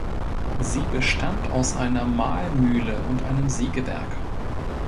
Sie bestand aus einer Mahlmühle und einem Sägewerk.